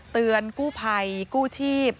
เตือนกู้ภัยกู้ชีพ